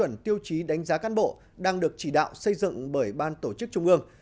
đề án xây dựng tiêu chuẩn tiêu chí đánh giá cán bộ đang được chỉ đạo xây dựng bởi ban tổ chức trung ương